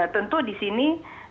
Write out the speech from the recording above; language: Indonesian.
tentu di sini